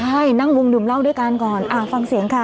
ใช่นั่งวงดื่มเหล้าด้วยกันก่อนฟังเสียงค่ะ